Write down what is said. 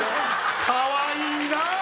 かわいいな！